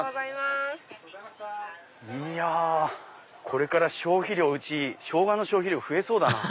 これからうちショウガの消費量増えそうだな。